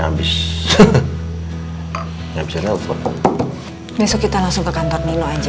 saya ingin anda menangani kasus saya dengan kebahagiaan anda